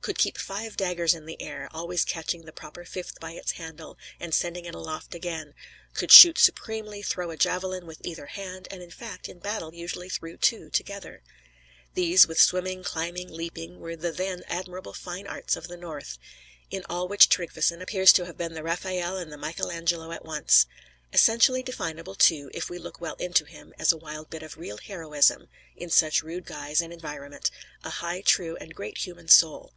Could keep five daggers in the air, always catching the proper fifth by its handle, and sending it aloft again; could shoot supremely, throw a javelin with either hand; and, in fact, in battle usually threw two together. These, with swimming, climbing, leaping, were the then admirable Fine Arts of the North; in all which Tryggveson appears to have been the Raphael and the Michael Angelo at once. Essentially definable, too, if we look well into him, as a wild bit of real heroism, in such rude guise and environment; a high, true, and great human soul.